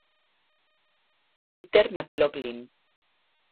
Peter McLaughlin.